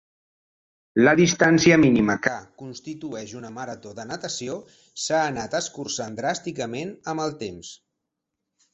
La distància mínima que constitueix una marató de natació s'ha anat escurçant dràsticament amb el temps.